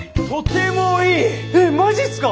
えっマジっすか！？